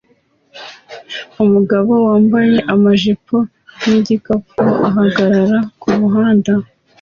Umugabo wambaye amajipo nigikapu ahagarara kumuhanda